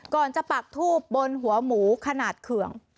ก่อนจะปักทูบบนหัวหมูขนาดเขื่อง